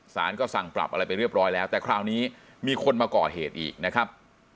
สารก็สั่งปรับอะไรไปเรียบร้อยแล้วแต่คราวนี้มีคนมาก่อเหตุอีกนะครับ